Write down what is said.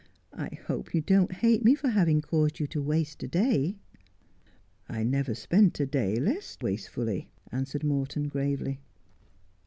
I hope you don't hate me for having caused you to waste a day.' ' I never spent a day less wastef ully,' answered Morton gravely.